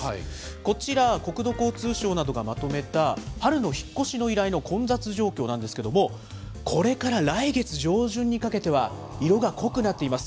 こちら、国土交通省などがまとめた、春の引っ越しの依頼の混雑状況なんですけれども、これから来月上旬にかけては色が濃くなっています。